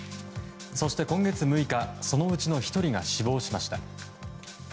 そして今月６日そのうちの１人が死亡しました。